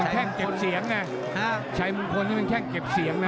ใช้มุมพลใช้มุมพลนี่มันแค่เก็บเสียงนะ